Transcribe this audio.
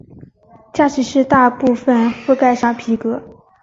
驾驶室大部份覆盖上皮革。